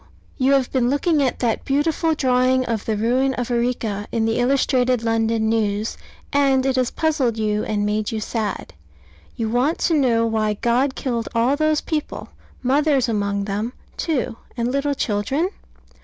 You have been looking at that beautiful drawing of the ruin of Arica in the Illustrated London News: and it has puzzled you and made you sad. You want to know why God killed all those people mothers among them, too, and little children?